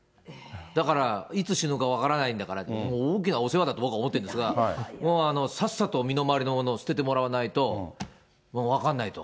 だから、いつ死ぬか分からないんだからって、もう大きなお世話だと僕は思ってるんですが、さっさと身のまわりのものを捨ててもらわないと、分かんないと。